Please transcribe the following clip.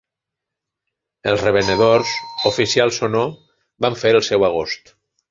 Els revenedors, oficials o no, van fer el seu agost.